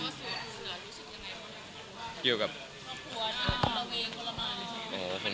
ส่วนด้วยว่าส่วนด้วยคุณรู้สึกยังไงบ้าง